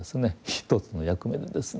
一つの役目でですね